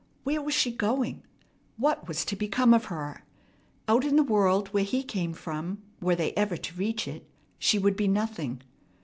Where was she going? What was to become of her? Out in the world where he came from, were they ever to reach it, she would be nothing.